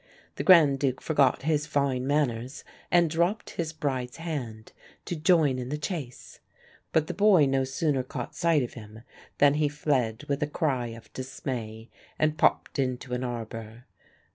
The Grand Duke forgot his fine manners, and dropped his bride's hand to join in the chase; but the boy no sooner caught sight of him than he fled with a cry of dismay and popped into an arbour.